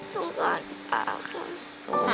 สงสัยคุณตาค่ะ